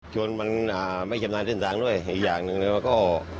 จนมันไม่ชำนาญเส้นสังด้วยอีกอย่างหนึ่งก็